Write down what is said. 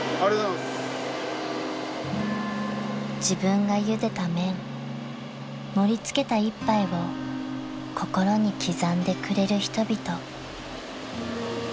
［自分がゆでた麺盛り付けた一杯を心に刻んでくれる人々］